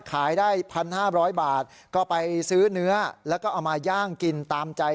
ขายได้๑๕๐๐บาทก็ไปซื้อเนื้อแล้วก็เอามาย่างกินตามใจ